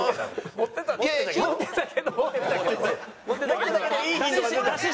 持ってたけどいいヒントが。